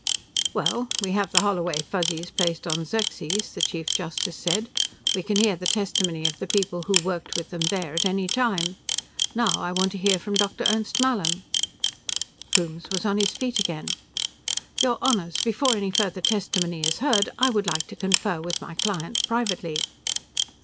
"Well, we have the Holloway Fuzzies placed on Xerxes," the Chief Justice said. "We can hear the testimony of the people who worked with them there at any time. Now, I want to hear from Dr. Ernst Mallin." Coombes was on his feet again. "Your Honors, before any further testimony is heard, I would like to confer with my client privately."